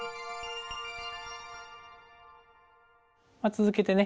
続けてね